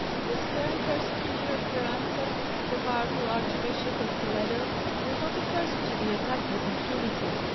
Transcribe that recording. The stern persecutor of Carranza, the powerful Archbishop of Toledo, was not a person to be attacked with impunity.